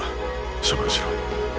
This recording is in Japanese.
処分しろ。